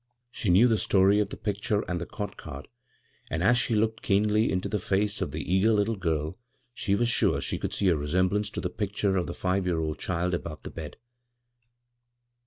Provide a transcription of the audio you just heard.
She knew the story of the picture and the cot card, and as she looked keenly into the face of the eaga* little girl she was sure she could see a resemblance to the pic b, Google CROSS CURRE>rrS hire of the five ye£ir old child above the bed.